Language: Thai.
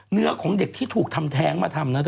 ของเด็กที่ถูกทำแท้งมาทำนะเธอ